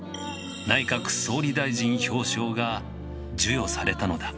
内閣総理大臣表彰が授与されたのだ。